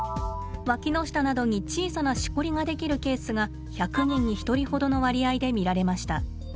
わきの下などに小さなしこりが出来るケースが１００人に１人ほどの割合で見られました。